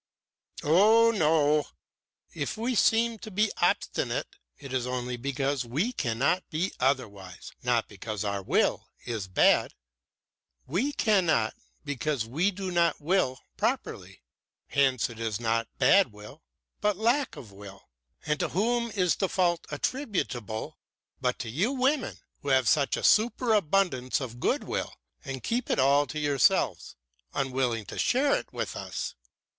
"Oh no! If we seem to be obstinate, it is only because we cannot be otherwise, not because our will is bad. We cannot, because we do not will properly. Hence it is not bad will, but lack of will. And to whom is the fault attributable but to you women, who have such a super abundance of good will and keep it all to yourselves, unwilling to share it with us.